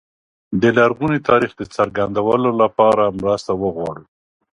د لرغوني تاریخ د څرګندولو لپاره مرسته وغواړو.